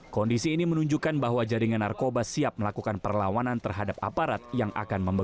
kondisi ini menunjukkan bahwa jaringan narkoba yang kini telah menerima kegiatan narkoba